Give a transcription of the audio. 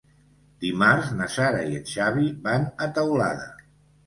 Dimarts na Sara i en Xavi van a Teulada.